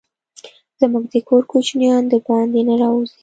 زموږ د کور کوچينان دباندي نه راوزي.